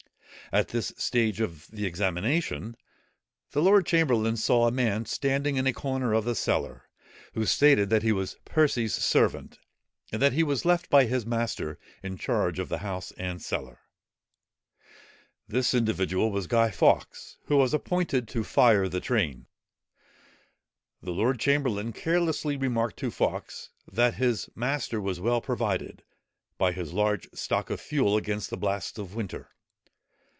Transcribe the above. At this stage of the examination, the lord chamberlain saw a man standing in a corner of the cellar, who stated that he was Percy's servant, and that he was left by his master in charge of the house and cellar. This individual was Guy Fawkes, who was appointed to fire the train. The lord chamberlain carelessly remarked to Fawkes, that his master was well provided, by his large stock of fuel, against the blasts of winter.